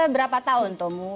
berapa tahun tomo